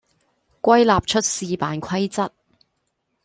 歸納出試辦規則